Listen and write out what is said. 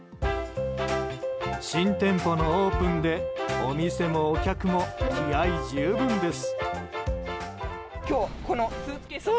新店舗のオープンでお店もお客も気合十分です。